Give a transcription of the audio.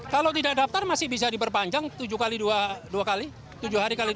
kalau tidak daftar masih bisa diperpanjang tujuh hari dua kali